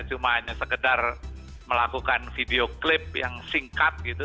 cuma hanya sekedar melakukan video klip yang singkat gitu